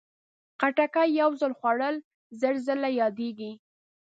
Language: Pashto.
خټکی یو ځل خوړل، زر ځل یادېږي.